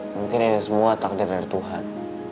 mungkin ada semua takdir dari tuhan